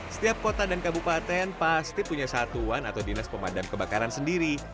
setiap kota dan kabupaten pasti punya satuan atau dinas pemadam kebakaran sendiri